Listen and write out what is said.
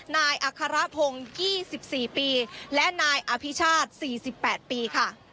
นายอาคาระพงษ์๒๔ปีและนายอภิชาติ๔๘ปี